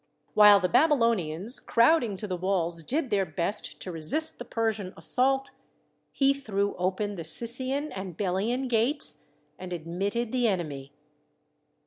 While the Babylonians, crowding to the walls, did their best to resist the Persian assault, he threw open the Cissian and Belian gates, and admitted the enemy.